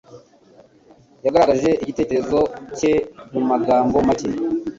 Yagaragaje igitekerezo cye mumagambo make.